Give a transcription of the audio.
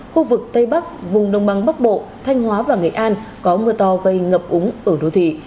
khu vực tây bắc vùng đông băng bắc bộ thanh hóa và nghệ an có mưa to gây ngập úng ở đô thị